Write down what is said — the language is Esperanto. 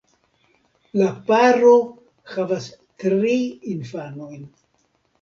La paro havas tri infanojn.